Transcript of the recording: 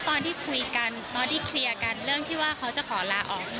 ตอนที่คุยกันตอนที่เคลียร์กันเรื่องที่ว่าเขาจะขอลาออก